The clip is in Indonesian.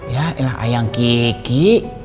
ya elah ayang kiki